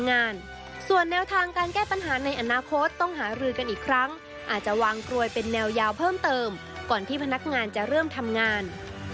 แนวยาวเพิ่มเติมก่อนที่พนักงานจะเริ่มทำงาน